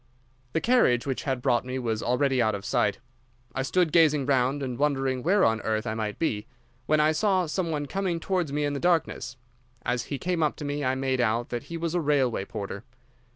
"The carriage which had brought me was already out of sight. I stood gazing round and wondering where on earth I might be, when I saw some one coming towards me in the darkness. As he came up to me I made out that he was a railway porter.